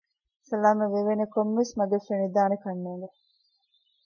ސަލާމަތްވެވޭނެ ކޮންމެވެސް މަގެއް ފެނިދާނެކަންނޭނގެ